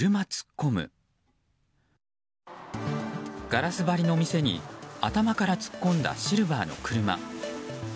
ガラス張りの店に頭から突っ込んだシルバーの車。